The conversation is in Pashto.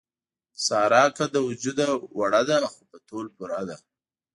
ساره که له وجوده وړه ده، خو په تول پوره ده.